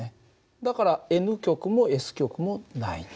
だからＮ極もＳ極もないんだ。